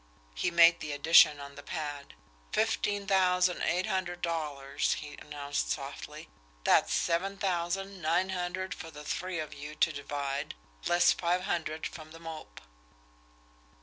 He made the addition on the pad. "Fifteen thousand, eight hundred dollars," he announced softly. "That's seven thousand, nine hundred for the three of you to divide, less five hundred from The Mope."